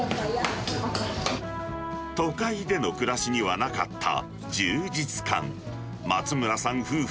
都会での暮らしにはなかった充実感。